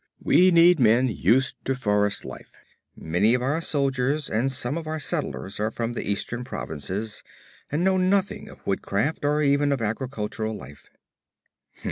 We need men used to forest life. Many of our soldiers and some of our settlers are from the eastern provinces and know nothing of woodcraft, or even of agricultural life.'